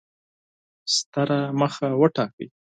ستره موخه وټاکئ!